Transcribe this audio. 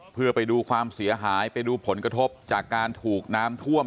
เพื่อไปดูความเสียหายไปดูผลกระทบจากการถูกน้ำท่วม